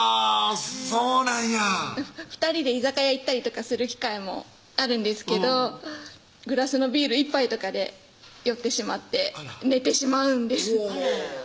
そうなんや２人で居酒屋行ったりとかする機会もあるんですけどグラスのビール１杯とかで酔ってしまって寝てしまうんですおぉ